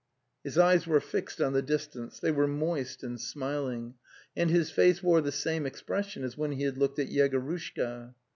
His eyes were fixed on the distance; they were moist and smiling, and his face wore the same ex pression as when he had looked at Yegorushka.